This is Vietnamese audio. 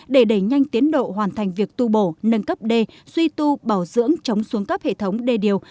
để đẩy nhanh tiến độ hoàn thành việc tu bổ nâng cấp đê suy tu bảo dưỡng chống xuống cấp hệ thống đê điều